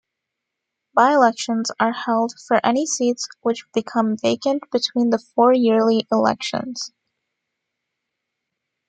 By-elections are held for any seats which become vacant between the four yearly elections.